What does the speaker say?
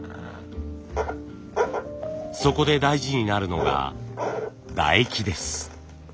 そこで大事になるのが唾液です。